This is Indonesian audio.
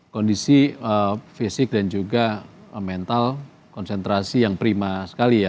kondisi fisik dan juga mental konsentrasi yang prima sekali ya